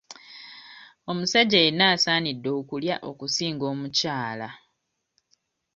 Omusajja yenna asaanidde okulya okusinga omukyala.